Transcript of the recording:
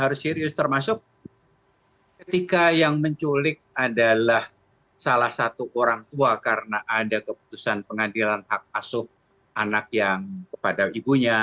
harus serius termasuk ketika yang menculik adalah salah satu orang tua karena ada keputusan pengadilan hak asuh anak yang kepada ibunya